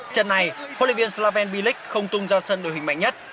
trận này hlv slaven bilic không tung ra sân đội hình mạnh nhất